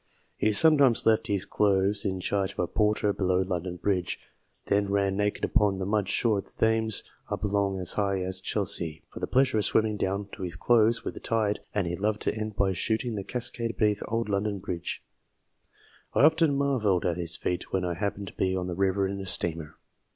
He sometimes left his clothes in charge of a porter below F 2 68 THE JUDGES OF ENGLAND London Bridge, then ran naked upon the mud shore of the Thames up almost as high as Chelsea, for the pleasure of swimming down to his clothes with the tide, and he loved to end by shooting the cascade beneath old London Bridge. I often marvel at his feat, when I happen to be on the river in a steamer.